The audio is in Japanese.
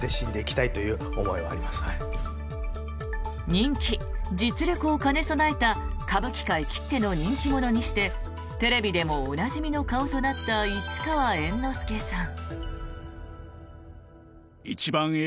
人気・実力を兼ね備えた歌舞伎界きっての人気者にしてテレビでもおなじみの顔となった市川猿之助さん。